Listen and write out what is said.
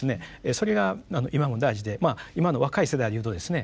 それが今も大事でまあ今の若い世代で言うとですね